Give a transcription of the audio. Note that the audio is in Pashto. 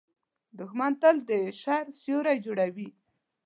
دښمن تل د شر سیوری جوړوي